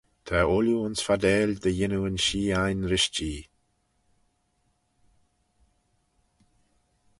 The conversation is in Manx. Ta ooilley ayns fardail dy yannoo yn shee ain rish Jee.